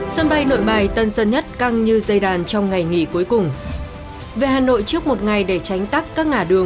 các bạn hãy đăng ký kênh để ủng hộ kênh của chúng mình nhé